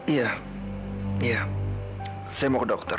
iya iya saya mau ke dokter